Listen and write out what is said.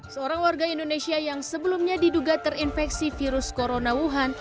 seorang warga indonesia yang sebelumnya diduga terinfeksi virus corona wuhan